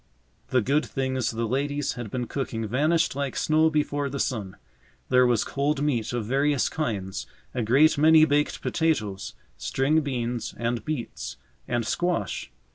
The good things the ladies had been cooking vanished like snow before the sun. There was cold meat of various kinds, a great many baked potatoes, string beans, and beets, and squash.